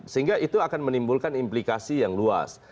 sehingga itu akan menimbulkan implikasi yang luas